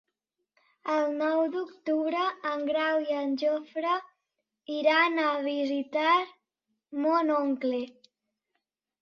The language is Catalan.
El nou d'octubre en Grau i en Jofre iran a visitar mon oncle.